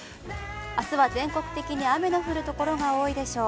あすは全国的に雨の降るところが多いでしょう。